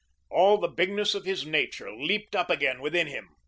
All the bigness of his nature leaped up again within him.